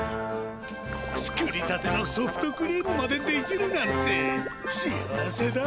作りたてのソフトクリームまでできるなんて幸せだ！